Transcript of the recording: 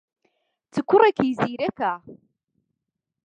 چ کوڕێکی زیرەکە!